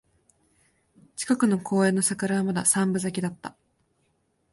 近くの公園の桜はまだ三分咲きだった